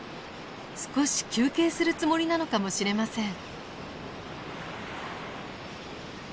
少し休憩するつもりなのかもしれません。